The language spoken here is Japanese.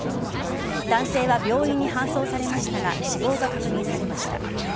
男性は病院に搬送されましたが死亡が確認されました。